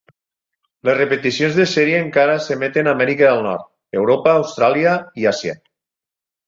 Les repeticions de sèrie encara s'emeten a Amèrica del Nord, Europa, Austràlia i Àsia.